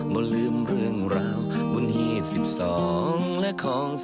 มันลืมเรื่องราวบนฮีด๑๒และของ๑๔